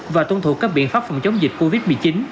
và tuân thủ các biện pháp phòng chống dịch covid một mươi chín